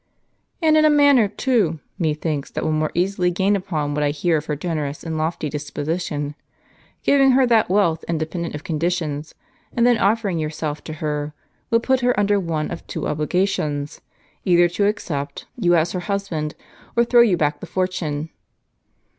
"And in a manner too, methinks, that will more easily gain upon what I hear of her generous and lofty disposition. Giving her that wealth independent of conditions, and then offering yourself to her, will put her under one of two obliga tions, either to accept you as her husband, or throw you back the fortune."